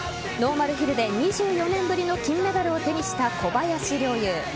ノーマルヒルで２４年ぶりの金メダルを手にした小林陵侑。